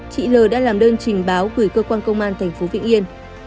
chị l đã làm đơn trình báo gửi cơ quan công an thành phố vĩnh yên